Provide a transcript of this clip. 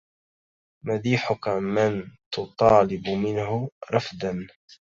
مديحك من تطالب منه رفدا